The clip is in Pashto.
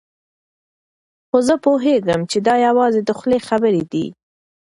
خو زه پوهېږم چې دا یوازې د خولې خبرې دي.